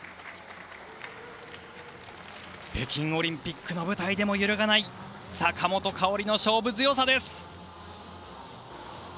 北京オリンピックの舞台でも揺るがない坂本花織の勝負強さです。